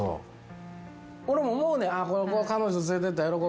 俺も思うねん。